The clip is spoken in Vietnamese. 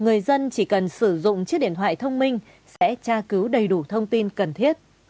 người dân chỉ cần sử dụng chiếc điện thoại thông minh sẽ tra cứu đầy đủ thông tin cần thiết